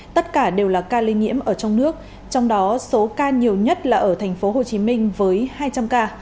tất cả đều là ca lây nhiễm ở trong nước trong đó số ca nhiều nhất là ở thành phố hồ chí minh với hai trăm linh ca